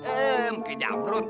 eh mungkin jabrut